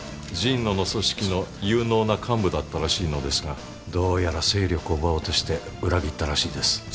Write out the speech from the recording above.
神野の組織の有能な幹部だったらしいのですがどうやら勢力を奪おうとして裏切ったらしいです。